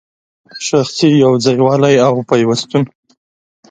شخصي یو ځای والی او پیوستون